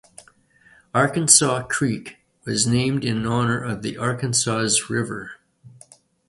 Arkansaw Creek was named in honor of the Arkansas River.